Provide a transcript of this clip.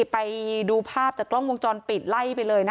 ไปดูภาพจากกล้องวงจรปิดไล่ไปเลย